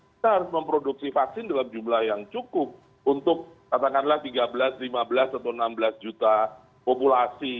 kita harus memproduksi vaksin dalam jumlah yang cukup untuk katakanlah tiga belas lima belas atau enam belas juta populasi